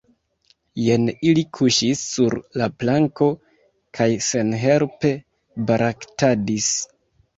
Jen ili kuŝis sur la planko kaj senhelpe baraktadis.